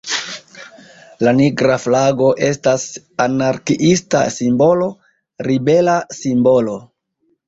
La Nigra Flago estas anarkiista simbolo, ribela simbolo.